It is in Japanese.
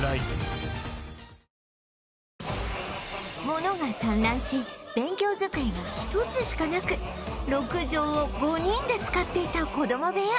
物が散乱し勉強机が１つしかなく６畳を５人で使っていた子供部屋